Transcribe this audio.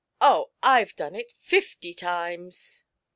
113 " Oh, I've done it fifty times